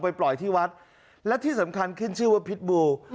ปล่อยที่วัดและที่สำคัญขึ้นชื่อว่าพิษบู